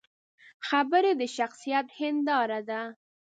خبرې د شخصیت هنداره ده